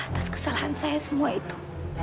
atas kesalahan saya semua itu